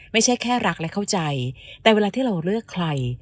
ไม่ใช่แค่รักและเข้าใจแต่เวลาที่เราเลือกใคร